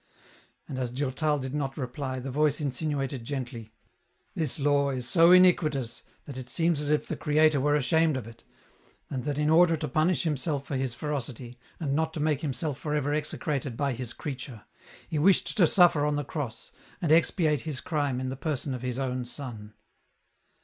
" And as Durtal did not reply, the voice insinuated gently, " This law is so iniquitous that it seems as if the Creator were ashamed of it, and that in order to punish Himself for His ferocity, and not to make Himself for ever execrated by His creature, He wished to suffer on the Cross, and expiate His crime in the person of His own Son."